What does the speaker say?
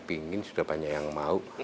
pingin sudah banyak yang mau